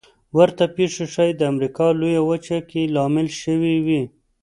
ورته پېښې ښايي د امریکا لویه وچه کې لامل شوې وي.